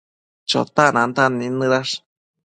Chotac nantan nidnëdash